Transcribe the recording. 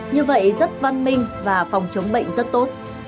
như vậy rất văn minh và phòng chống bệnh rất tốt